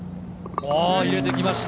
入れてきました！